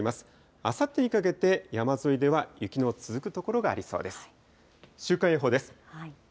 あさってにかけて山沿いでは雪の続く所がありそうです。